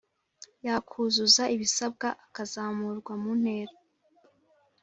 yakuzuza ibisabwa akazamurwa muntera